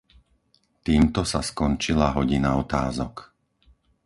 Týmto sa skončila hodina otázok.